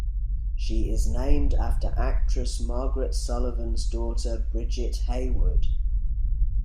She is named after actress Margaret Sullavan's daughter Bridget Hayward.